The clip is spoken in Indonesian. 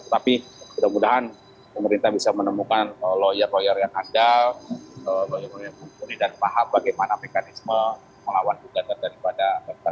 tetapi mudah mudahan pemerintah bisa menemukan lawyer lawyer yang andal bagaimana pilihan paham bagaimana mekanisme melawan kegadangan daripada